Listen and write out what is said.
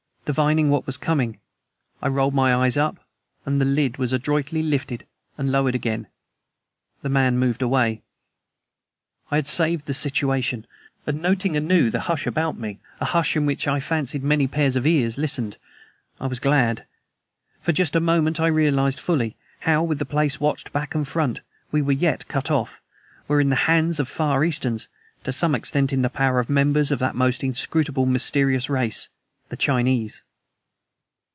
Divining what was coming, I rolled my eyes up, as the lid was adroitly lifted and lowered again. The man moved away. I had saved the situation! And noting anew the hush about me a hush in which I fancied many pairs of ears listened I was glad. For just a moment I realized fully how, with the place watched back and front, we yet were cut off, were in the hands of Far Easterns, to some extent in the power of members of that most inscrutably mysterious race, the Chinese.